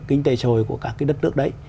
kinh tế xã hội của các cái đất nước đấy